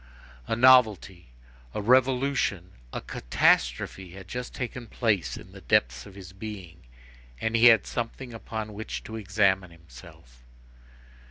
A novelty, a revolution, a catastrophe had just taken place in the depths of his being; and he had something upon which to examine himself.